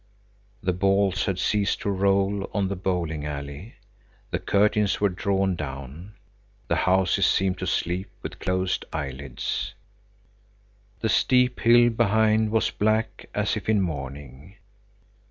The balls had ceased to roll on the bowling alley. The curtains were drawn down. The houses seemed to sleep with closed eyelids. The steep hill behind was black, as if in mourning.